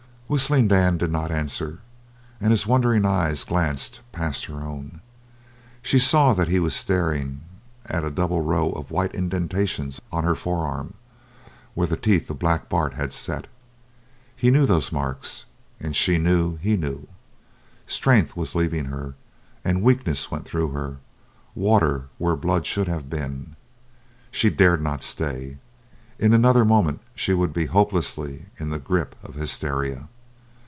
Whistling Dan did not answer, and his wondering eyes glanced past her own. She saw that he was staring at a double row of white indentations on her forearm, where the teeth of Black Bart had set. He knew those marks, and she knew he knew. Strength was leaving her, and weakness went through her water where blood should have been. She dared not stay. In another moment she would be hopelessly in the grip of hysteria.